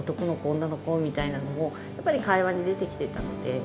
女の子？みたいなのも、やっぱり会話に出てきてたので。